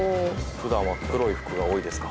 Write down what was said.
「普段は黒い服が多いですか？」